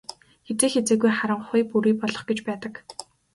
Хэзээ хэзээгүй харанхуй бүрий болох гэж байдаг.